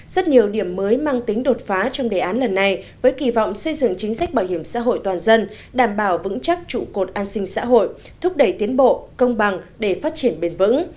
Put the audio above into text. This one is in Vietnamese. rất nhiều điểm mới mang tính đột phá trong đề án lần này với kỳ vọng xây dựng chính sách bảo hiểm xã hội toàn dân đảm bảo vững chắc trụ cột an sinh xã hội thúc đẩy tiến bộ công bằng để phát triển bền vững